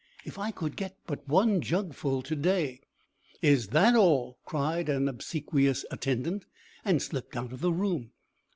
If I could but get one jugful to day!" "Is that all?" cried an obsequious attendant, and slipped out of the room.